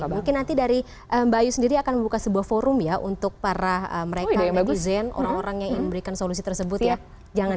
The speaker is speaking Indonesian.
mungkin nanti dari mbak ayu sendiri akan membuka sebuah forum ya untuk para mereka netizen orang orang yang ingin memberikan solusi tersebut ya